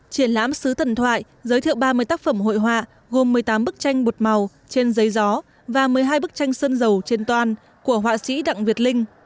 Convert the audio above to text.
triển lãm xứ thần thoại giới thiệu ba mươi tác phẩm hội họa gồm một mươi tám bức tranh bột màu trên giấy gió và một mươi hai bức tranh sơn dầu trên toàn của họa sĩ đặng việt linh